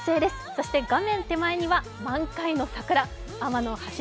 そして画面手前には満開の桜。